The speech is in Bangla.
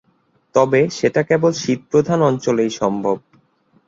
তবে সেটা কেবল শীতপ্রধান অঞ্চলেই সম্ভব।